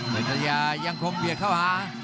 เพชรภัยายังคงเบียดเข้าหา